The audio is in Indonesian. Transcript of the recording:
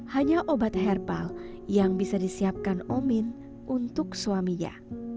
hanya obat herbal yang bisa disiapkan omin untuk suaminya